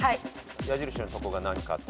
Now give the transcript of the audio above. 矢印のとこが何かって。